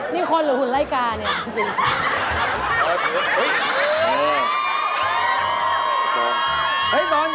นี่คนหรือหุ่นไล่กาเนี่ย